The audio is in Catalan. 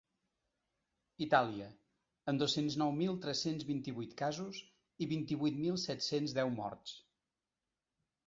Itàlia, amb dos-cents nou mil tres-cents vint-i-vuit casos i vint-i-vuit mil set-cents deu morts.